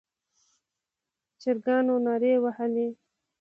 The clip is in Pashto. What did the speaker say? چرګانو نارې وهلې.